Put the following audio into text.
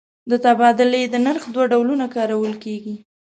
د تبادلې د نرخ دوه ډولونه کارول کېږي.